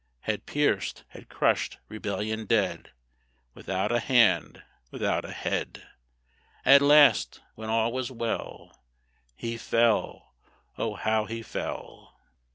_" Had pierced, had crushed Rebellion dead, Without a hand, without a head, At last, when all was well, He fell, O how he fell!